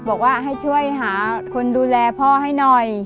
บอกว่าให้ช่วยหาคนดูแลพ่อให้หน่อย